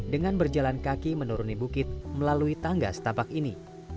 dengan berjalan kaki menuruni bukit melalui tangga setapak ini